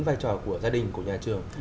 vai trò của gia đình của nhà trường